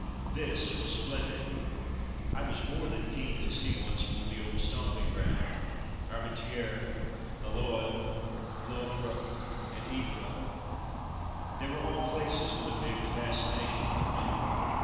This was splendid — I was more than keen to see, once more, the old stamping ground : Armentieres, Bailleul, Locre, and Ypres; they were all places with a big fascination for me.